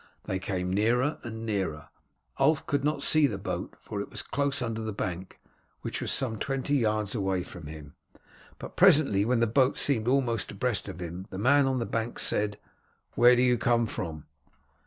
They came nearer and nearer. Ulf could not see the boat, for it was close under the bank, which was some twenty yards away from him, but presently when the boat seemed almost abreast of him the man on the bank said, "Where do you come from?"